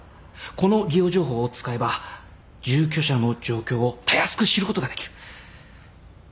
この利用情報を使えば住居者の状況をたやすく知ることができる。